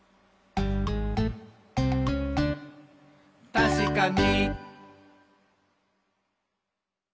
「たしかに！」